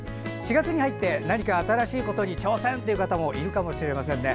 ４月に入って何か新しいことに挑戦という方もいるかもしれませんね。